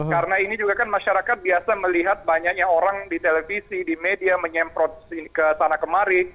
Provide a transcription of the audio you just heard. karena ini juga kan masyarakat biasa melihat banyaknya orang di televisi di media menyemprot ke sana kemari